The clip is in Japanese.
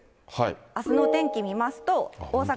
あすのお天気見ますと。